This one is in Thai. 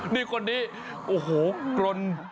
นี่คนนี้โอ้โหกรน